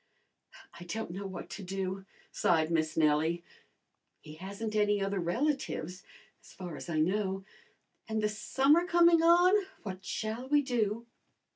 "I don't know what to do," sighed Miss Nellie. "He hasn't any other relatives as far as I know. And the summer coming on, what shall we do?"